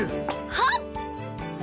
はっ！